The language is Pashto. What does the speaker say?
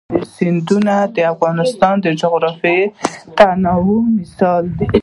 سیندونه د افغانستان د جغرافیوي تنوع مثال دی.